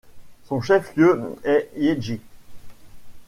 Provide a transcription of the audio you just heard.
Son chef-lieu est Yeji.